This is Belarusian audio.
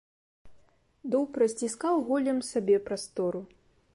Дуб расціскаў голлем сабе прастору.